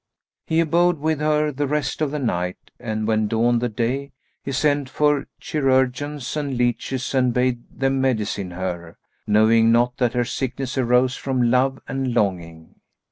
He abode with her the rest of the night, and when dawned the day, he sent for chirurgeons and leaches and bade them medicine her, knowing not that her sickness arose from love and longing.